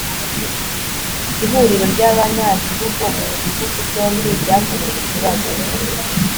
Ihuriro ryAbanyagihugu mu bihugu byombi ryakomeje ikibazo